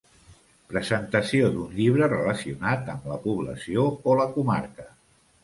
Presentació d'un llibre relacionat amb la població o la comarca.